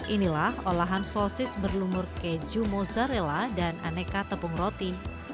inilah olahan sosis berlumur keju mozzarella dan aneka tepung roti